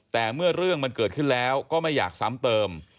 แต่เมื่อเรื่องมันเกิดขึ้นแล้วก็ไม่อยากซ้ำเติม